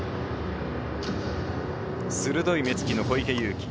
鋭い目つきの小池祐貴